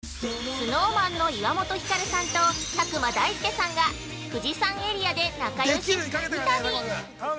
◆ＳｎｏｗＭａｎの岩本照さんと佐久間大介さんが富士山エリアで仲よし二人旅。